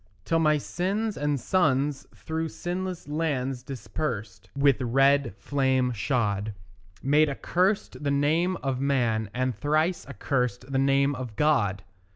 Till my sins and sons through sinless lands dispersèd, With red flame shod, Made accurst the name of man, and thrice accursèd The name of God.